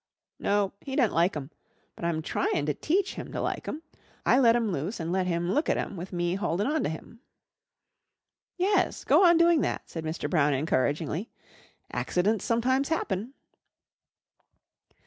"No. He dun't like 'em. But I'm tryin' to teach him to like 'em. I let 'em loose and let him look at 'em with me holdin' on to him." "Yes, go on doing that," said Mr. Brown encouragingly. "Accidents sometimes happen."